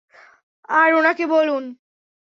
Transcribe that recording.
আর ওনাকে বলুন।